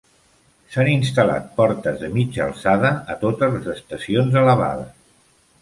S'han instal·lat portes de mitja alçada a totes les estacions elevades.